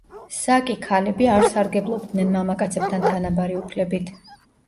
საკი ქალები არ სარგებლობდნენ მამაკაცებთან თანაბარი უფლებით.